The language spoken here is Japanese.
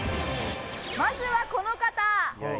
まずはこの方！